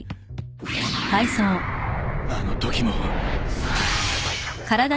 あのときも。